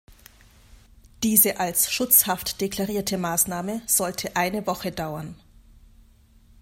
Diese als „Schutzhaft“ deklarierte Maßnahme sollte eine Woche dauern.